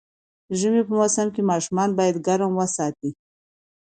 ژمی په موسم کې ماشومان باید ګرم وساتي